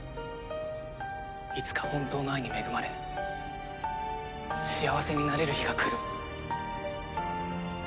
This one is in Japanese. いつか本当の愛に恵まれ幸せになれる日が来る。